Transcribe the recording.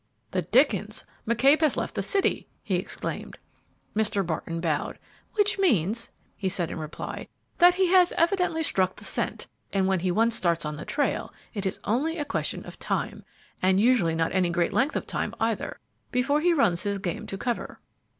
"The dickens! McCabe has left the city!" he exclaimed. Mr. Barton bowed. "Which means," he said in reply, "that he has evidently struck the scent; and when he once starts on the trail, it is only a question of time and usually not any great length of time, either before he runs his game to cover."